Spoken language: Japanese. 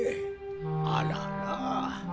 あらら。